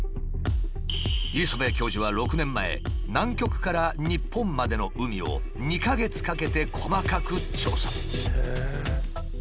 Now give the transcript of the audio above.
磯辺教授は６年前南極から日本までの海を２か月かけて細かく調査。